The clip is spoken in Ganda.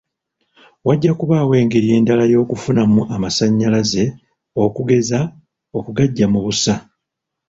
Wajja kubaawo engeri endala y'okufunamu amasannyalaze okugeza: okugaggya mu busa.